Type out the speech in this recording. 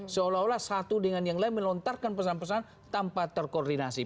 seolah olah satu dengan yang lain melontarkan pesan pesan tanpa terkoordinasi